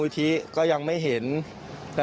เยี่ยมมากครับ